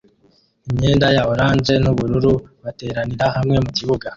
imyenda ya orange nubururu bateranira hamwe mukibuga